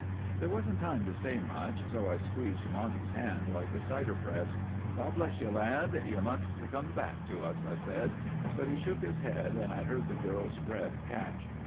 There wasn't time to say much, so I squeezed Monty's hand like a cider press. "God bless you, lad! You must come back to us," I said, but he shook his head, and I heard the girl's breath catch.